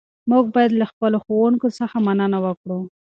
موږ باید له خپلو ښوونکو څخه مننه وکړو.